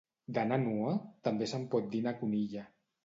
D'anar nua també se'n pot dir anar conilla